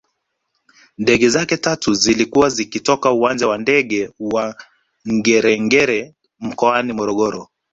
Ndege zake tatu zilikuwa zikitoka uwanja wa ndege wa Ngerengere mkoani Morogoro